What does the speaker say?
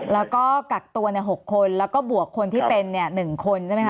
แล้วก็กักตัว๖คนแล้วก็บวกคนที่เป็น๑คนใช่ไหมคะ